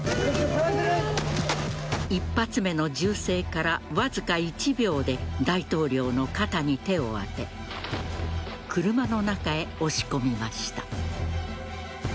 １発目の銃声から、わずか１秒で大統領の肩に手を当て車の中へ押し込みました。